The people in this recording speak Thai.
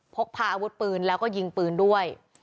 พกพาอาวุธปืนแล้วก็ยิงปืนด้วย